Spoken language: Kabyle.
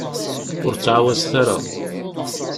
Ur ttɛawazet ara.